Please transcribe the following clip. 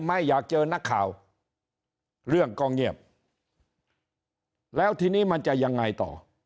ไม่อยากเจอนักข่าวเรื่องก็เงียบแล้วทีนี้มันจะยังไงต่อ